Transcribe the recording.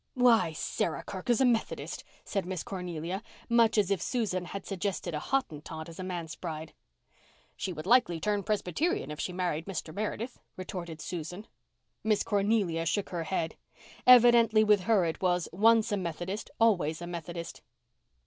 "Why, Sarah Kirk is a Methodist," said Miss Cornelia, much as if Susan had suggested a Hottentot as a manse bride. "She would likely turn Presbyterian if she married Mr. Meredith," retorted Susan. Miss Cornelia shook her head. Evidently with her it was, once a Methodist, always a Methodist.